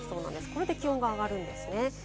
なので気温が上がるんですね。